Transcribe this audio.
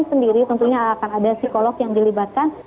sendiri tentunya akan ada psikolog yang dilibatkan